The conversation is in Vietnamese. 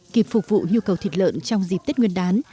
kịp phục vụ nhu cầu thịt lợn trong dịp tết nguyên đán